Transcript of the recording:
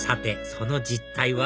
その実態は？